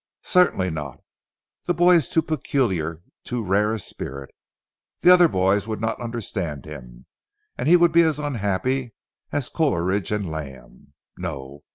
"Certainly not. The boy is too peculiar; too rare a spirit. The other boys would not understand him, and he would be as unhappy as Coleridge and Lamb. No!